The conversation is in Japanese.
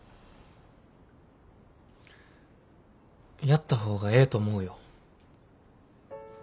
やった方がええと思うよ。